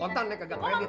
kontan ya kagak kredit